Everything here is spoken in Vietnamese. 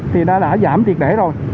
thì đã giảm tuyệt đẩy rồi